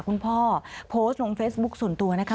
คุณพ่อโพสต์ลงเฟซบุ๊คส่วนตัวนะคะ